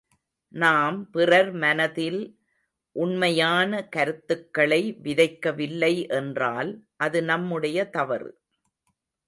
நாம் பிறர் மனதில் உண்மையான கருத்துக்களை விதைக்கவில்லை என்றால் அது நம்முடைய தவறு.